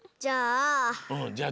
じゃあ。